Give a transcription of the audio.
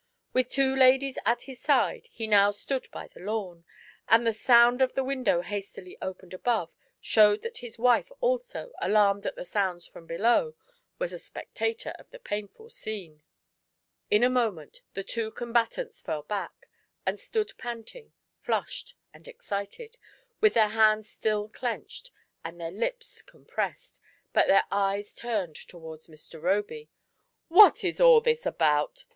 With two ladies at his side, he now stood by the lawn ; and the sound of a window hastily opened above, showed that his wife also, alanned at the sounds from below, was a spectator of the painful scene. SUNDAY AT DOVE'S NEST. 89 In a moment the two combatants fell back, and stood panting, flushed and excited, with their hands still clenched and their lips compressed, but their eyes turned towards Mr. Roby. " What is all this about